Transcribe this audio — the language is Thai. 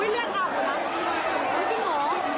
เหลืออาบเลยนะ